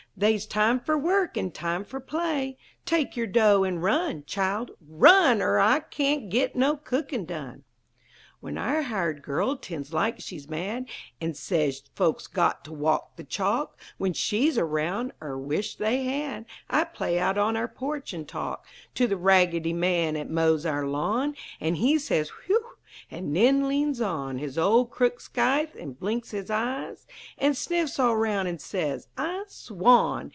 They's time fer work, an' time fer play! Take yer dough, an' run, Child; run! Er I cain't git no cookin' done!" When our hired girl 'tends like she's mad, An' says folks got to walk the chalk When she's around, er wisht they had, I play out on our porch an' talk To th' Raggedy Man 'at mows our lawn; An' he says "Whew!" an' nen leans on His old crook scythe, and blinks his eyes An' sniffs all round an' says, "I swawn!